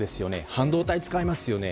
半導体を使いますよね。